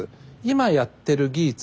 今やってる技術